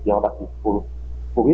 bình tra sử dụng gói vai